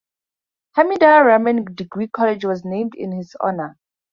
Hamidur Rahman Degree College was named in his honour.